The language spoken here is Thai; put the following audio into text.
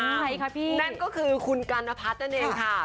นั่นก็คือคุณกัลผัสนั่นเองค่ะ